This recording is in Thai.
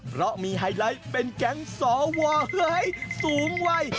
เพราะมีไฮไลท์เป็นแก๊งสวสูงวัย